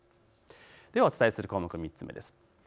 お伝えする項目３つ目です。